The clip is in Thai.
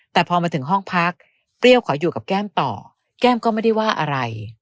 แต่พอมาถึงห้องพักเปรี้ยวขออยู่กับแก้มต่อแก้มก็ไม่ได้ว่าอะไร